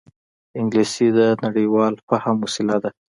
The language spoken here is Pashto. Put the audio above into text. انګلیسي د نړيوال فهم وسیله ده